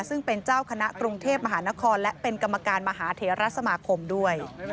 ซึ่งเป็นเจ้าคณะกรุงเทพมหานครและเป็นกรรมการมหาเทราสมาคมด้วย